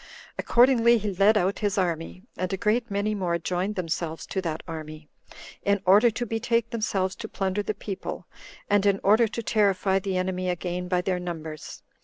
Accordingly, he led out his army, and a great many more joined themselves to that army, in order to betake themselves to plunder the people, and in order to terrify the enemy again by their numbers.